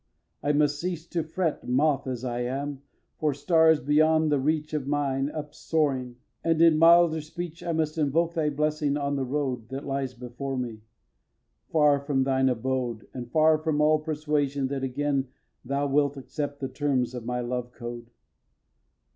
I must cease to fret, Moth as I am, for stars beyond the reach Of mine up soaring; and in milder speech I must invoke thy blessing on the road That lies before me, far from thine abode, And far from all persuasion that again Thou wilt accept the terms of my love code.